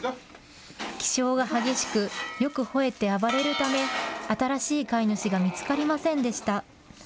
気性が激しく、よくほえて暴れるため、新しい飼い主が見つかりませんでした。